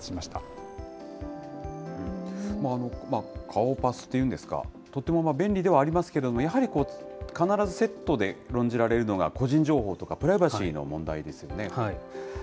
顔パスというんですか、とっても便利ではありますけれども、やはり必ずセットで論じられるのが、個人情報とか、プライバシーの問題ですよね。